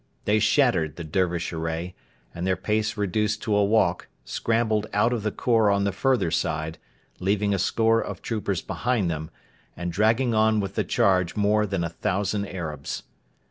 They shattered the Dervish array, and, their pace reduced to a walk, scrambled out of the khor on the further side, leaving a score of troopers behind them, and dragging on with the charge more than a thousand Arabs.